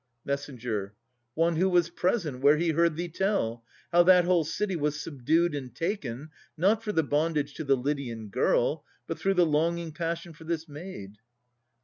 MESS. One who was present where he heard thee tell, How that whole city was subdued and taken, Not for the bondage to the Lydian girl, But through the longing passion for this maid.